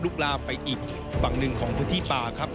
ลามไปอีกฝั่งหนึ่งของพื้นที่ป่าครับ